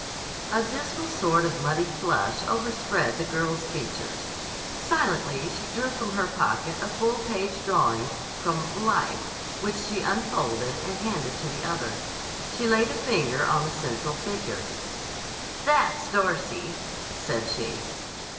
A dismal sort of muddy flush overspread the girl's features. Silently she drew from her pocket a full page drawing from "Life" which she unfolded and handed to the other. She laid a finger on the central figure. "That's Darcy," said she.